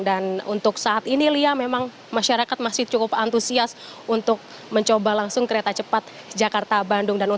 dan untuk saat ini memang masyarakat masih cukup antusias untuk mencoba langsung kereta cepat jakarta bandung